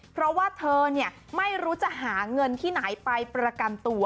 เพราะว่าเธอไม่รู้จะหาเงินที่ไหนไปประกันตัว